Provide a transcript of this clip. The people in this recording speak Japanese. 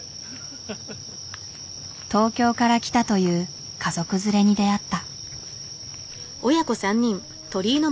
東京から来たという家族連れに出会った。